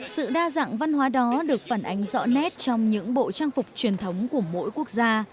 sự đa dạng văn hóa đó được phản ánh rõ nét trong những bộ trang phục truyền thống của mỗi quốc gia